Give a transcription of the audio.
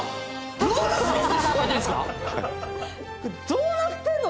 どうなってんの？